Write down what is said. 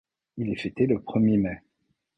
Il est fêté le premier mai.